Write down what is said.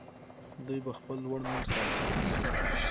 دوی به خپل لوړ نوم ساتي.